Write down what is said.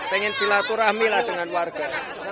pengen silaturahmi lah dengan warga